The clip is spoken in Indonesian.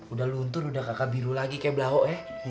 udah luntur udah kakak biru lagi kayak belaho ya